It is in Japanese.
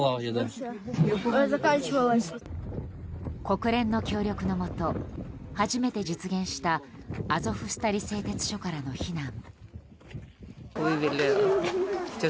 国連の協力のもと初めて実現したアゾフスタリ製鉄所からの避難。